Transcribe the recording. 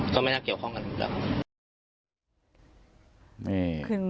ก็ไม่น่าเกี่ยวข้องกันอีกแล้ว